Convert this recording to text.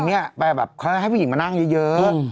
เขาจะให้ผู้หญิงมานั่งเยอะ